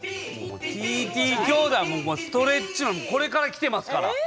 ＴＴ兄弟ももうストレッチマンのこれから来てますから。